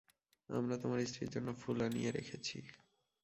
আমরা তোমার স্ত্রীর জন্যে ফুল আনিয়ে রেখেছি।